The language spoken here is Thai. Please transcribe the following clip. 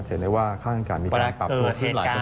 เห็นได้ว่าค่าการกันมีการปรับตัวขึ้นหลายเปอร์เซ็นต์